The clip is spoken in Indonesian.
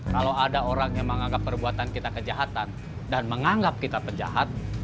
kalau ada orang yang menganggap perbuatan kita kejahatan dan menganggap kita penjahat